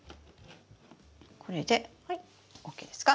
これでＯＫですか？